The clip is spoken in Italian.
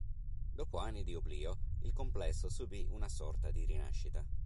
Dopo anni di oblio il complesso subì una sorta di rinascita.